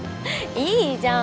いいじゃん